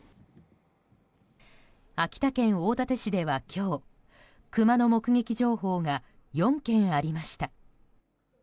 秋田県大館市では今日クマの目撃情報が４件ありました。